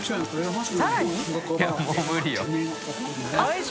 いやもう無理よ